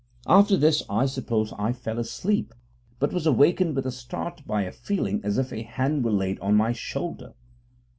After this, I suppose, I fell asleep, but was awakened with a start by a feeling as if a hand were laid on my shoulder.